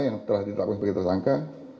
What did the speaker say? yang telah ditetapkan sebagai tersangka